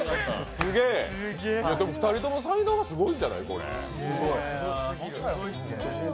２人とも才能がすごいんじゃない？